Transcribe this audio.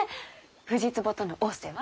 藤壺との逢瀬は？